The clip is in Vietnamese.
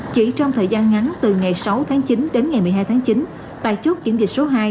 chỉ trong thời gian ngắn từ ngày sáu tháng chín đến ngày một mươi hai tháng chín tại chốt kiểm định số hai